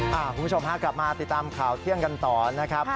คุณผู้ชมฮะกลับมาติดตามข่าวเที่ยงกันต่อนะครับ